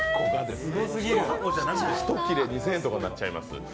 １切れ２０００円とかになっちゃいます。